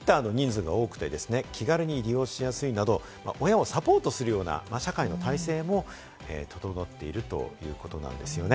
またシッターの人数が多くてですね、気軽に利用しやすいなど、親をサポートするような社会の体制も整っているということなんですよね。